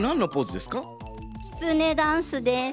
きつねダンスです。